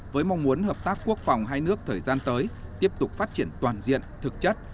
với mong muốn hợp tác quốc phòng hai nước thời gian tới tiếp tục phát triển toàn diện thực chất